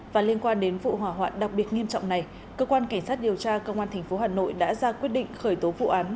và liên quan đến vụ hỏa hoạn đặc biệt nghiêm trọng này cơ quan cảnh sát điều tra công an tp hà nội đã ra quyết định khởi tố vụ án